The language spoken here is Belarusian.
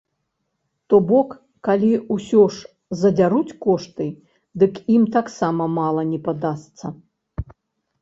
То бок, калі ўсё ж задзяруць кошты, дык ім таксама мала не падасца!